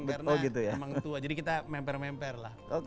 karena emang tua jadi kita memper memper lah